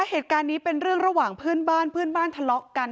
เหตุการณ์นี้เป็นเรื่องระหว่างเพื่อนบ้านเพื่อนบ้านทะเลาะกัน